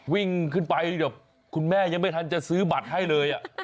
วิ่งขึ้นไปแบบคุณแม่ยังไม่ทันจะซื้อบัตรให้เลย